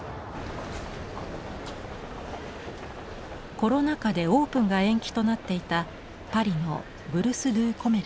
コロナ禍でオープンが延期となっていたパリの「ブルス・ドゥ・コメルス」。